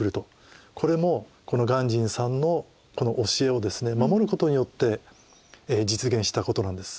これもこの鑑真さんの教えをですね守ることによって実現したことなんです。